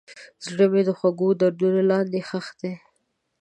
زړه مې د خوږو دردونو لاندې ښخ دی.